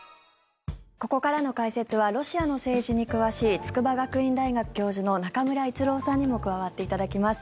ここからの解説はロシアの政治に詳しい筑波学院大学教授の中村逸郎さんにも加わっていただきます。